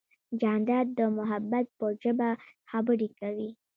جانداد د محبت په ژبه خبرې کوي.